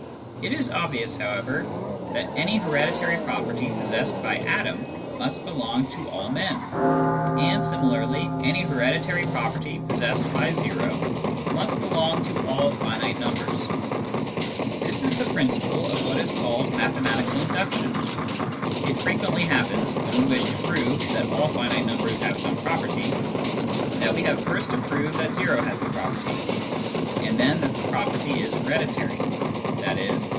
It is obvious, however, that any hereditary property possessed by Adam must belong to all men ; and similarly any hereditary property possessed by o must belong to all finite numbers. This is the principle of what is called *^ mathematical induction." It frequently happens, when we wish to prove that all finite numbers have some property, that we have first to prove that o has the property, and then that the property is hereditary, i.e.